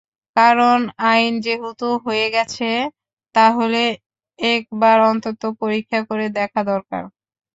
কারণ, আইন যেহেতু হয়ে গেছে, তাহলে একবার অন্তত পরীক্ষা করে দেখা দরকার।